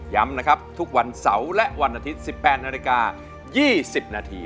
ย้ำนะครับทุกวันเสาร์และวันอาทิตย์๑๘นาฬิกา๒๐นาที